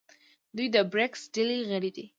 دوی د بریکس ډلې غړي دي.